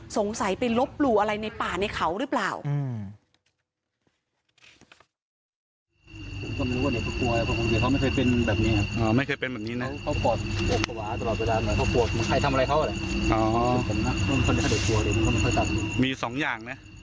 สงสัยไปลบหลู่อะไรในป่าในเขาหรือเปล่า